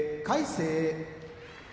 魁聖